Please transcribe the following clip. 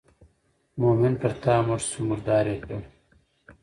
مومن پر تا مړ شو مردار یې کړ.